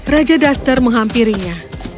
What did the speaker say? raja duster menghampirinya